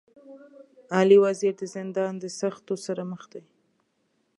علي وزير د زندان د سختو سره مخ دی.